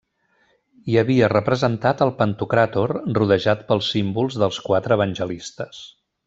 Hi havia representat el pantocràtor rodejat pels símbols dels quatre evangelistes.